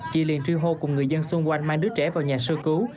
chị liền truy hô cùng người dân xung quanh mang đứa trẻ vào nhà sơ cứu